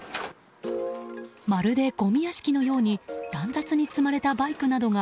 まるでごみ屋敷のように乱雑に積まれたバイクなどが